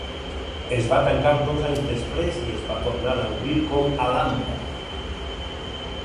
Es va tancar dos anys després i es va tornar a obrir com Alhambra.